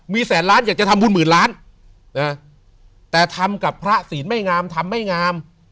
มีแสนล้านอยากจะทำบุญหมื่นล้านนะแต่ทำกับพระศีลไม่งามทำไม่งาม